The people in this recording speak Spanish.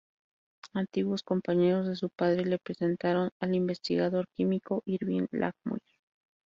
Antiguos compañeros de su padre le presentaron al investigador químico Irving Langmuir.